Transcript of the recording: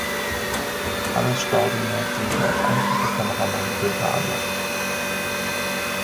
Hannes Staudinger diente als einfacher Kameramann Günther Anders.